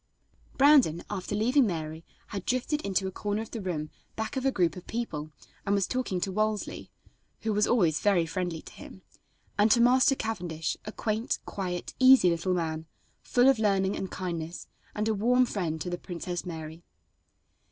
Brandon, after leaving Mary, had drifted into a corner of the room back of a group of people, and was talking to Wolsey who was always very friendly to him and to Master Cavendish, a quaint, quiet, easy little man, full of learning and kindness, and a warm friend to the Princess Mary.